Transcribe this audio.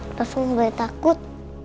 rafaul mulai takut